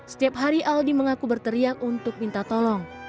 setiap hari aldi mengaku berteriak untuk minta tolong